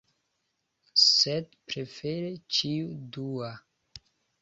Sed prefere ĉiu dua.